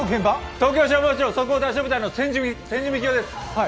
東京消防庁即応対処部隊隊長の千住幹生です。